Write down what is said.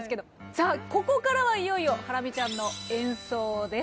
さあここからはいよいよハラミちゃんの演奏です。